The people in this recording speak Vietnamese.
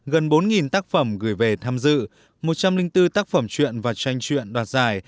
gần bốn tác phẩm gửi về tham dự một trăm linh bốn tác phẩm chuyện và tranh chuyện đoạt giải